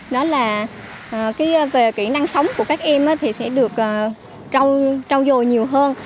đó là về kỹ năng sống của các em thì sẽ được trao dồi nhiều hơn